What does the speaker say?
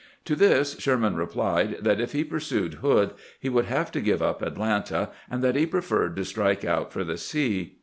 To this Sherman replied that if he pursued Hood he would have to give up Atlanta, and that he preferred to strike out for the sea.